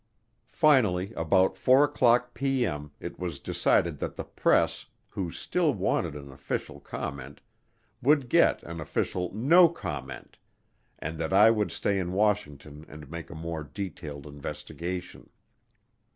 Finally about 4:00P.M. it was decided that the press, who still wanted an official comment, would get an official "No comment" and that I would stay in Washington and make a more detailed investigation.